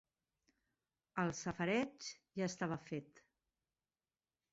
El safareig ja estava fet